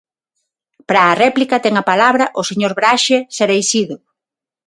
Para a réplica, ten a palabra o señor Braxe Cereixido.